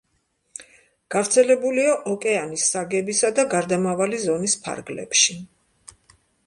გავრცელებულია ოკეანის საგებისა და გარდამავალი ზონის ფარგლებში.